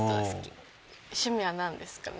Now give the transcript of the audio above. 趣味はなんですかね？